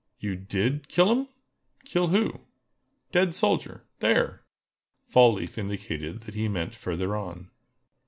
"You did kill 'em?" "Kill who?" "Dead soldier—there!" Fall leaf indicated that he meant further on.